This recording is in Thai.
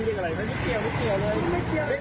ไม่เกี่ยวไม่เกี่ยวเลย